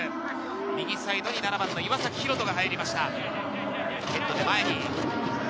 右サイドに７番の岩崎大翔が入りました。